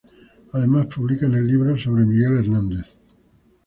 Además publica en el libro sobre Miguel Hernández.